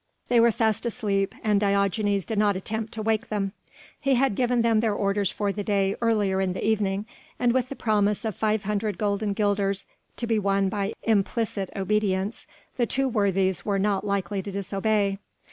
They were fast asleep, and Diogenes did not attempt to wake them. He had given them their orders for the next day earlier in the evening and with the promise of 500 golden guilders to be won by implicit obedience the two worthies were not like to disobey.